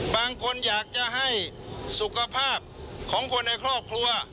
บางคนอยากจะให้สุขภาพของคนในครอบครัว